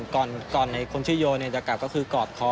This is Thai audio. ก่อนคนชื่อโยจะกลับก็คือกอดคอ